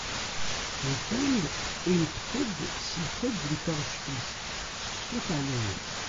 Ha-t-an inṭeq-d s lqedd n taɣect-is, s ṣṣut ɛlayen.